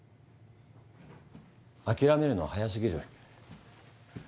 諦めるのは早すぎる。